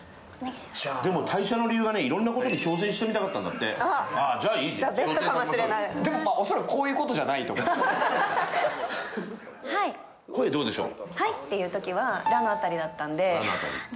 でも退社の理由がね色んなことに挑戦してみたかったんだってあっじゃあベストかもしれないあっじゃあいいでもまあ恐らくこういうことじゃないと思うはい声どうでしょう？